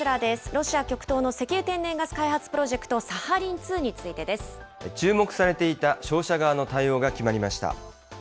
ロシア極東の石油天然ガス開発プロジェクト、サハリン２について注目されていた商社側の対応